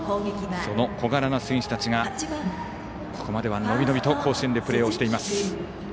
その小柄な選手たちがここまでは伸び伸びと甲子園でプレーをしています。